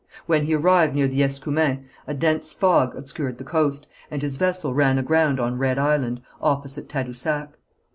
When he arrived near the Escoumins a dense fog obscured the coast, and his vessel ran aground on Red Island, opposite Tadousac.